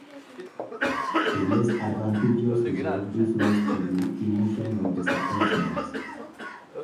A less advantageous result gives rise to the emotion of disappointment.